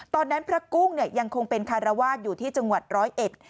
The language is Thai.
พระกุ้งเนี่ยยังคงเป็นคารวาสอยู่ที่จังหวัดร้อยเอ็ด